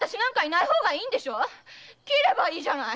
斬ればいいじゃない！